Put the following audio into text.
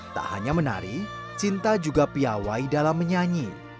tak hanya menari cinta juga piawai dalam menyanyi